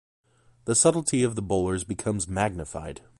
The subtlety of the bowlers becomes magnified.